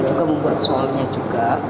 juga membuat solnya juga